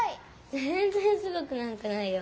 ぜんぜんすごくなんかないよ。